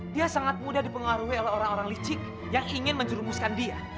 dia sangat mudah dipengaruhi oleh orang orang licik yang ingin menjerumuskan dia